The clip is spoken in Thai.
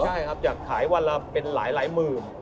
ใช่อย่างการการไขวันละเป็นหลายหมื่น